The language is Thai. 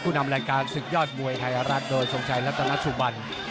นำรายการศึกยอดมวยไทยรัฐโดยทรงชัยรัตนสุบัน